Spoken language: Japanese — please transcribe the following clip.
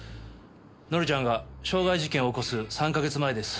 紀ちゃんが傷害事件を起こす３か月前です。